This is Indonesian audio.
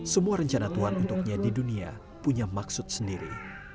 semua rencana tuhan untuknya di dunia punya maksud sendiri